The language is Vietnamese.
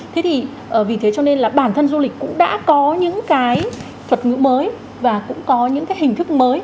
thế thì vì thế cho nên là bản thân du lịch cũng đã có những cái thuật ngữ mới và cũng có những cái hình thức mới